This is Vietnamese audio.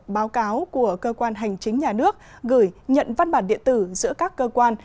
báo cáo của cơ quan hành chính nhà nước gửi nhận văn bản điện tử giữa các cơ quan